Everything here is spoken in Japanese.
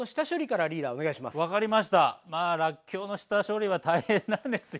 らっきょうの下処理は大変なんですよ。